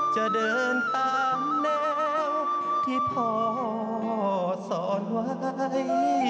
จะเดินตามแนวที่พ่อสอนไว้